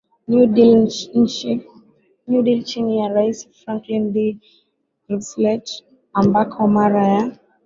New Deal chini ya rais Franklin D Roosevelt ambako mara ya